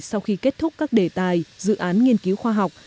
sau khi kết thúc các đề tài dự án nghiên cứu khoa học